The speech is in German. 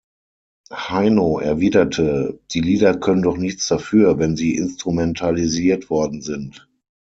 Heino erwiderte: „Die Lieder können doch nichts dafür, wenn sie instrumentalisiert worden sind“.